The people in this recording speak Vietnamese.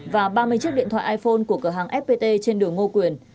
và ba mươi chiếc điện thoại iphone của cửa hàng fpt trên đường ngô quyền